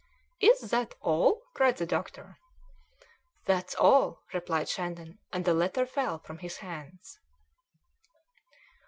"Is that all?" cried the doctor. "That's all," replied Shandon, and the letter fell from his hands.